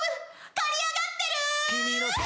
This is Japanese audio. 刈り上がってる！？